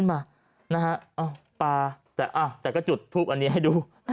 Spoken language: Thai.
นะฮะอ้าวปลาแต่อ้าวแต่ก็จุดพูดอันนี้ให้ดู